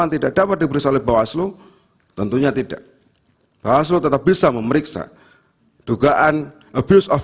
tidak dapat diberi oleh bawah selu tentunya tidak bahwa selu tetap bisa memeriksa dugaan abuse of